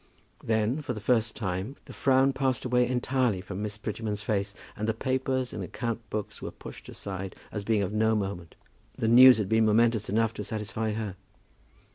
Then, for the first time, the frown passed away entirely from Miss Prettyman's face, and the papers and account books were pushed aside, as being of no moment. The news had been momentous enough to satisfy her.